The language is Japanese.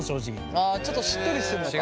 あちょっとしっとりしてるのか。